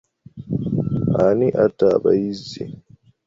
Ani atta abayizi?